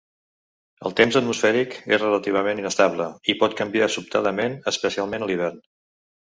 El temps atmosfèric és relativament inestable, i pot canviar sobtadament especialment a l'hivern.